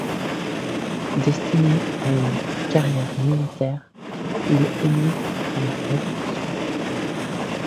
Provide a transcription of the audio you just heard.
Destiné à une carrière militaire, il émigre à la Révolution.